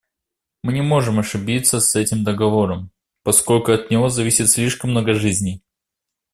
Мы не можем ошибиться с этим договором, поскольку от него зависит слишком много жизней.